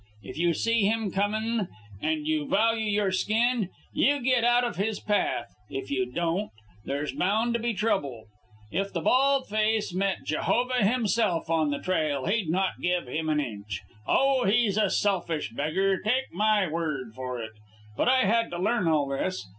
If you see him comin', and you value your skin, you get out of his path. If you don't, there's bound to be trouble. If the bald face met Jehovah Himself on the trail, he'd not give him an inch. O, he's a selfish beggar, take my word for it. But I had to learn all this.